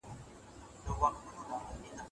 زه تېره ورځ ډېرې خبرې کړې وې.